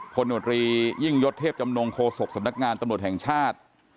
โนตรียิ่งยศเทพจำนงโฆษกสำนักงานตำรวจแห่งชาติ